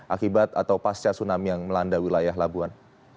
akibat atau pasca tsunami yang melanda wilayah labuan